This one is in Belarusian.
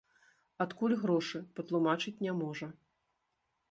Адкуль грошы, патлумачыць не можа.